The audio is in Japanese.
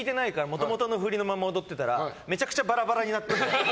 もともとの振りのまま踊ってたらめちゃくちゃバラバラになってて。